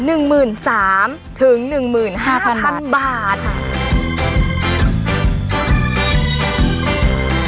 หนึ่งหมื่นสามถึงหนึ่งหมื่นห้าพันบาทค่ะ